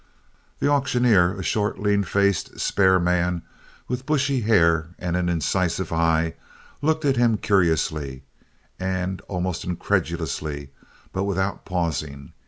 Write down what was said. The auctioneer, a short lean faced, spare man with bushy hair and an incisive eye, looked at him curiously and almost incredulously but without pausing.